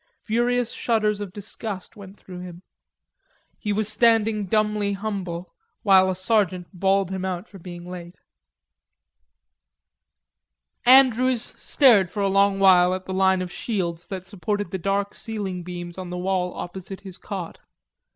Furious shudders of disgust went through him. He was standing dumbly humble while a sergeant bawled him out for being late. Andrews stared for a long while at the line of shields that supported the dark ceiling beams on the wall opposite his cot.